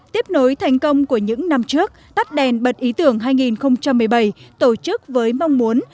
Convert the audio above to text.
tiếp nối thành công của những năm trước tắt đèn bật ý tưởng hai nghìn một mươi bảy tổ chức với mong muốn